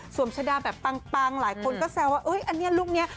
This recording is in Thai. ชะดาแบบปังหลายคนก็แซวว่าอันนี้ลูกนี้